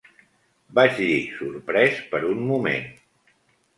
Vaig dir, sorprès per un moment.